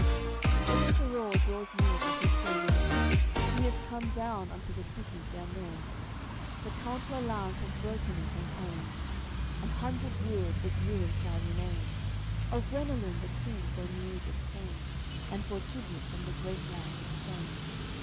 AOI. LIII That Emperour draws near to his domain, He is come down unto the city Gailne. The Count Rollanz had broken it and ta'en, An hundred years its ruins shall remain. Of Guenelun the King for news is fain, And for tribute from the great land of Spain.